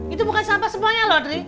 itu bukan sampah semuanya loh dri